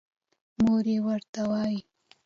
مور يې ورته وايې